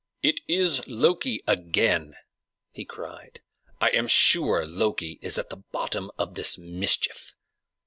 "It is Loki again!" he cried. "I am sure Loki is at the bottom of this mischief!"